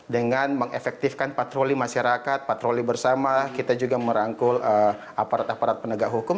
dengan mengefektifkan patroli masyarakat patroli bersama kita juga merangkul aparat aparat penegak hukum